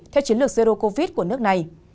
theo chiến lược zero covid của nước này